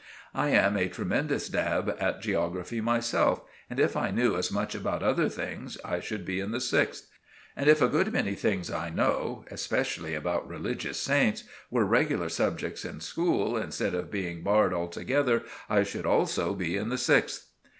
I am a tremendous dab at geography myself; and if I knew as much about other things I should be in the sixth; and if a good many things I know—especially about religious saints—were regular subjects in school, instead of being barred altogether, I should also be in the sixth.